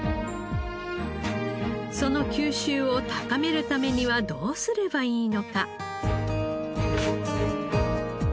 その吸収を高めるためにはどうすればいいのか。